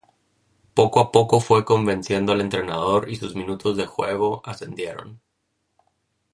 Poco a poco fue convenciendo al entrenador y sus minutos de juego ascendieron.